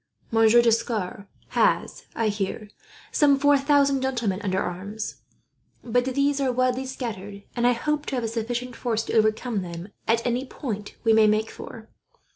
Monsieur D'Escars has, I hear, some four thousand gentlemen under arms; but these are widely scattered, and I hope to have a sufficient force to overcome them at any point we may make for.